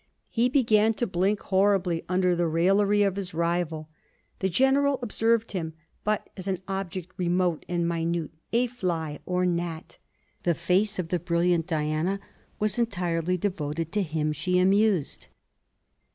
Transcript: He began to blink horribly under the raillery of his rival. The General observed him, but as an object remote and minute, a fly or gnat. The face of the brilliant Diana was entirely devoted to him she amused.